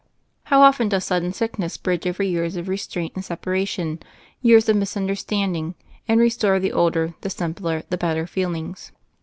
How often does sudden sickness bridge over years of restraint and separa tion, years of misunderstanding, and restore the older, the simpler, the better feelings!